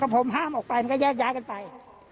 ผมห้ามออกไปมันก็แยกย้ายกันไป